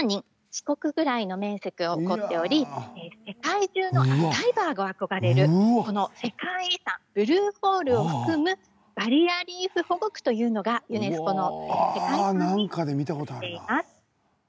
四国くらいの面積を誇っており世界中のダイバーが憧れる世界遺産、ブルーホールを含むバリアリーフ保護区というのがユネスコの世界遺産です。